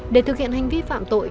để thực hiện hành vi phạm tội